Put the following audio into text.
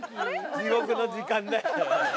地獄の時間だ。